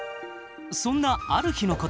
そんなある日のこと。